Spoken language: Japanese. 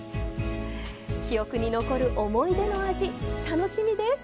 記憶に残る思い出の味、楽しみです！